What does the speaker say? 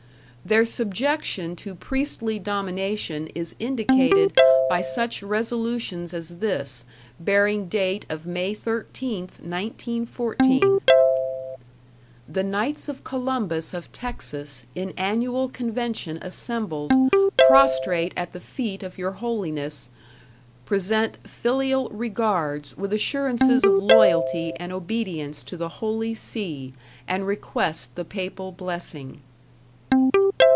Their subjection to priestly domination is indicated by such resolutions as this, bearing date of May 13th, 1914: The Knights of Columbus of Texas in annual convention assembled, prostrate at the feet of Your Holiness, present filial regards with assurances of loyalty and obedience to the Holy See and request the Papal blessing.